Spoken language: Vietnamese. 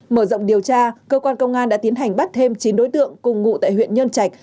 mở rộng điều tra cơ quan công an đã tiến hành bắt thêm chín đối tượng cùng ngụ tại huyện nhơn trạch